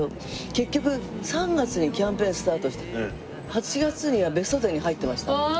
結局３月にキャンペーンスタートして８月にはベスト１０に入ってました。